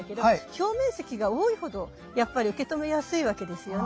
表面積が多いほどやっぱり受け止めやすいわけですよね。